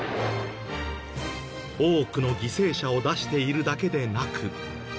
多くの犠牲者を出しているだけでなく。